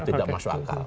tidak masuk akal